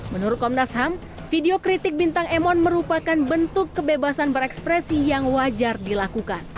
menurut komnas ham video kritik bintang emon merupakan bentuk kebebasan berekspresi yang wajar dilakukan